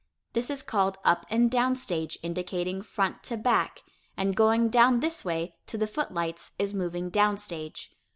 This is called up and down stage (indicating front to back), and going down this way (to the footlights) is moving down stage.